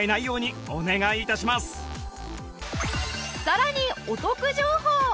さらにお得情報！